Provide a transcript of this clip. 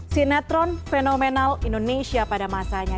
sinetron fenomenal indonesia pada masanya